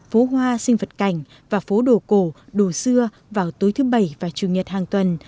phố hoa sinh vật cảnh và phố đồ cổ đồ xưa vào tối thứ bảy và chủ nhật hàng tuần